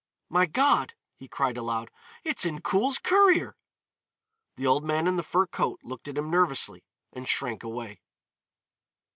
"My God," he cried aloud, "it's Incoul's courier!" The old man in the fur coat looked at him nervously, and shrank away.